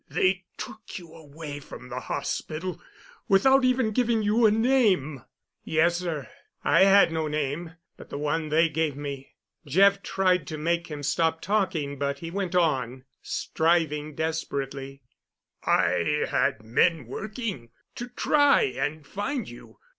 "They took you away from the hospital—without even giving you a name." "Yes, sir—I had no name but the one they gave me." Jeff tried to make him stop talking, but he went on, striving desperately: "I had men working—to try and find you.